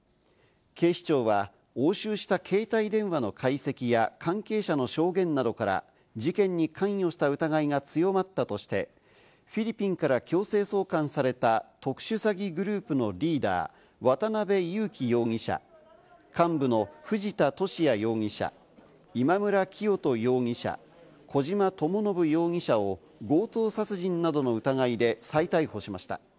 警視庁は、押収した携帯電話の解析や関係者の証言などから、事件に関与した疑いが強まったとして、フィリピンから強制送還された特殊詐欺グループのリーダー・渡辺優樹容疑者、幹部の藤田聖也容疑者、今村磨人容疑者、小島智信容疑者を強盗殺人などの疑いで再逮捕しました。